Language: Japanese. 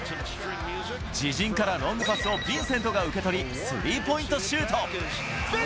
自陣からロングパスをビンセントが受け取り、スリーポイントシュート。